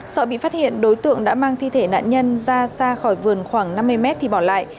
sợ bị phát hiện đối tượng đã mang thi thể nạn nhân ra xa khỏi vườn khoảng năm mươi mét thì bỏ lại